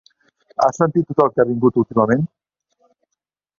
Has sentit tot el que ha vingut últimament.